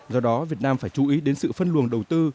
do đó việt nam phải chú ý đến sự phân luồng đầu tư